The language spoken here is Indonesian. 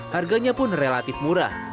harganya pun relatif murah